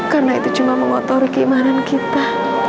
karena itu cuma mengotori keimanan kita